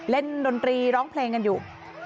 ดนตรีร้องเพลงกันอยู่